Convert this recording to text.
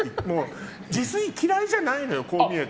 自炊嫌いじゃないのよこう見えて。